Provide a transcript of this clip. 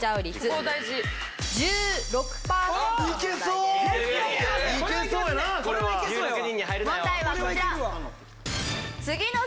問題はこちら。